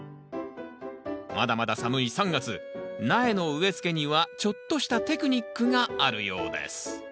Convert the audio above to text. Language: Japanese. まだまだ寒い３月苗の植えつけにはちょっとしたテクニックがあるようです